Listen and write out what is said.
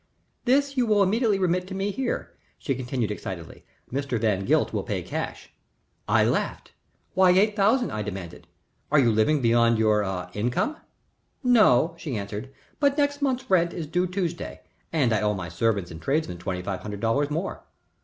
"This you will immediately remit to me here," she continued, excitedly. "Mr. Van Gilt will pay cash." I laughed. "Why eight thousand?" I demanded. "Are you living beyond your ah income?" "No," she answered, "but next month's rent is due Tuesday, and I owe my servants and tradesmen twenty five hundred dollars more."